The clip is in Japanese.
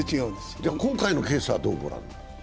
今回のケースはどうご覧になる？